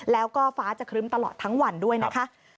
แล้วก็ฟ้าจะครึ้มตลอดทั้งวันด้วยนะคะ